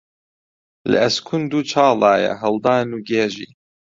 لە ئەسکوند و چاڵایە هەڵدان و گێژی